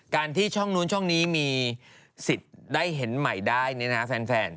ที่ช่องนู้นช่องนี้มีสิทธิ์ได้เห็นใหม่ได้เนี่ยนะแฟน